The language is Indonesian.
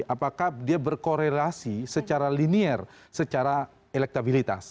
apakah dia berkorelasi secara linier secara elektabilitas